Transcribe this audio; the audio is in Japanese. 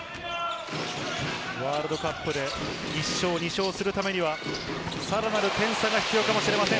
ワールドカップで１勝、２勝するためには、さらなる点差が必要かもしれません。